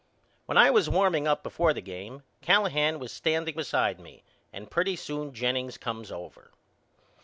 When I was warming up before the game Callahan was standing beside me and pretty soon Jennings come over.